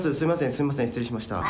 すいません失礼しました